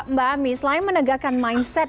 mbak ami selain menegakkan mindset